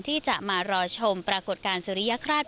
ที่จะมารอชมปรากฏการณ์สุริยคราช